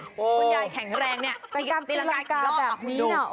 คุณยายแข็งแรงสำหรับตีรังกาแบบนี้เนี่ย